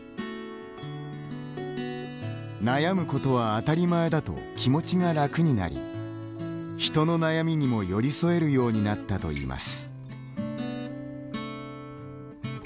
悩むことは当たり前だと気持ちが楽になり人の悩みにも、寄り添えるようになったといいます。